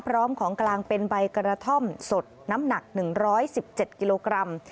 พร้อมของกลางเป็นใบกระท่อมสดน้ำหนัก๑๑๗กิโลกรัม